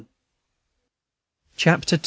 Chapter 2.